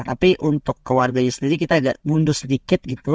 tapi untuk keluarganya sendiri kita agak mundur sedikit gitu